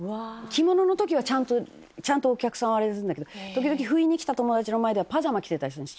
着物の時はちゃんとちゃんとお客さんをあれするんだけど時々不意に来た友達の前ではパジャマ着てたりするの。